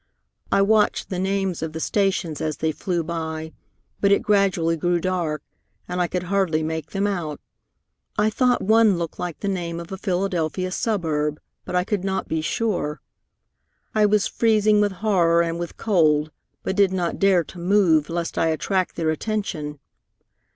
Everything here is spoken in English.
"I watched the names of the stations as they flew by, but it gradually grew dark, and I could hardly make them out. I thought one looked like the name of a Philadelphia suburb, but I could not be sure. "I was freezing with horror and with cold, but did not dare to move, lest I attract their attention.